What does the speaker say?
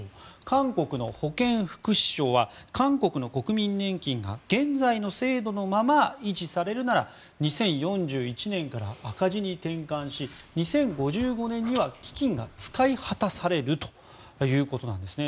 韓国の保健福祉省は韓国の国民年金が現在の制度のまま維持されるなら２０４１年から赤字に転換し２０５５年には基金が使い果たされるということなんですね。